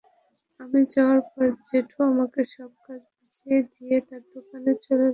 আমি যাওয়ার পর জেঠু আমাকে সব কাজ বুঝিয়ে দিয়ে তার দোকানে চলে গেল।